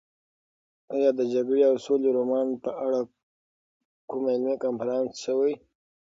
ایا د جګړې او سولې رومان په اړه کوم علمي کنفرانس شوی؟